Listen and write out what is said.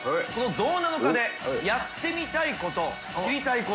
どうなの課」でやってみたいこと知りたいこと。